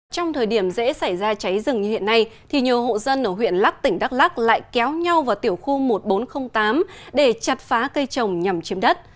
trong thời điểm dễ xảy ra cháy rừng như hiện nay thì nhiều hộ dân ở huyện lắc tỉnh đắk lắc lại kéo nhau vào tiểu khu một nghìn bốn trăm linh tám để chặt phá cây trồng nhằm chiếm đất